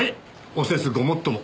お説ごもっとも。